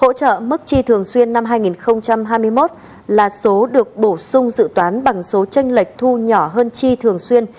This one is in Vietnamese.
hỗ trợ mức chi thường xuyên năm hai nghìn hai mươi một là số được bổ sung dự toán bằng số tranh lệch thu nhỏ hơn chi thường xuyên